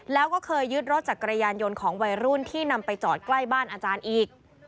แล้วก็เคยยึดรถจักรยานยนต์ของวัยรุ่นที่นำไปจอดใกล้บ้านอาจารย์อีก